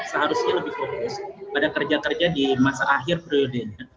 seharusnya lebih fokus pada kerja kerja di masa akhir periodenya